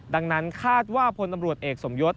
ดังนั้นคาดว่าพลตำรวจเอกสมยศ